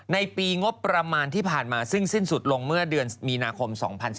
ในปีงบประมาณที่ผ่านมาซึ่งสิ้นสุดลงเมื่อเดือนมีนาคม๒๐๑๙